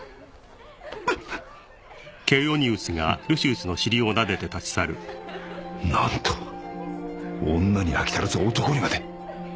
フッなんと女に飽き足らず男にまで！